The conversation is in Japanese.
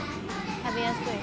食べやすい。